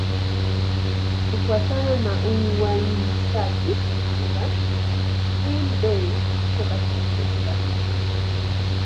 Kufuatana na uainishaji wa lugha, Kimin-Bei iko katika kundi la Kichina.